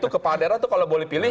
kepala daerah itu kalau boleh pilih